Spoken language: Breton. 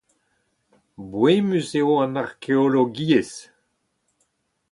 Boemus eo an arkeologiezh.